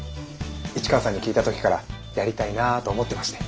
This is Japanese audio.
市川さんに聞いた時からやりたいなぁと思ってまして。